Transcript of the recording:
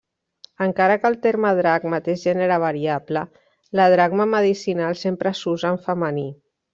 Encara que el terme dracma té gènere variable, la dracma medicinal sempre s'usa en femení.